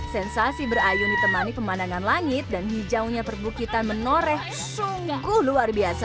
sensasi berayun ditemani pemandangan langit dan hijaunya perbukitan menoreh sungguh luar biasa